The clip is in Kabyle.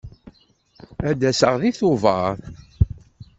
Ad d-aseɣ deg Tubeṛ.